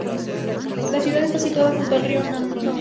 La ciudad está situada junto al río Nam Song.